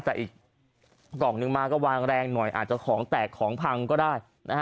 แต่อีกกล่องนึงมาก็วางแรงหน่อยอาจจะของแตกของพังก็ได้นะฮะ